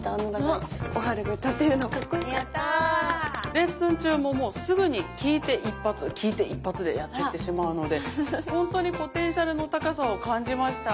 レッスン中ももうすぐに聴いて一発聴いて一発でやってってしまうのでほんとにポテンシャルの高さを感じました。